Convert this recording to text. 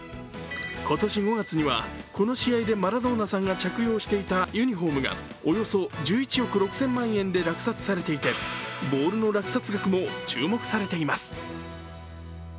今年５月には、この試合でマラドーナさんが着用していたユニフォームが、およそ１１億６０００万円で落札されていてボールの落札額も注目されています。